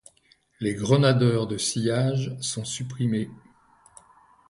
Les grenadeurs de sillage sont supprimés.